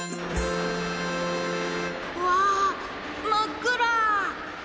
うわまっくら！